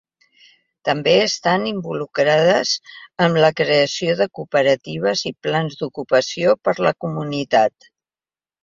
També estan involucrades en la creació de cooperatives i plans d'ocupació per a la comunitat.